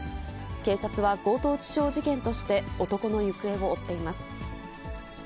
警察は強盗致傷事件として、男の行方を追っています。